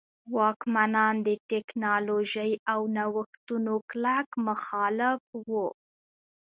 واکمنان د ټکنالوژۍ او نوښتونو کلک مخالف وو.